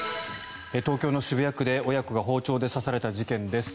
東京の渋谷区で親子が包丁で刺された事件です。